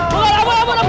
tinggal lurus aja pak ya